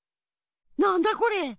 なんだこれ！